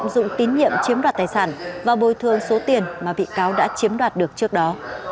dụng tín nhiệm chiếm đoạt tài sản và bồi thương số tiền mà bị cáo đã chiếm đoạt được trước đó